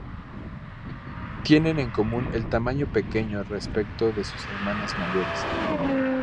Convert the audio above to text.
Tienen en común el tamaño pequeño respecto de sus hermanas mayores.